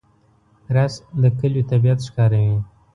رس د کلیو طبیعت ښکاروي